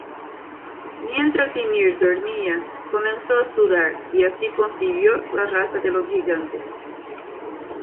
Mientras Ymir dormía, comenzó a sudar y así concibió la raza de los gigantes.